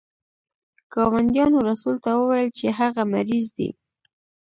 ګاونډیانو رسول ته وویل چې هغه مریض دی.